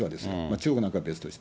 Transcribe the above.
中国なんかは別として。